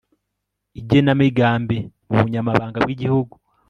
Igenamigambi mu Bunyamabanga bw Igihugu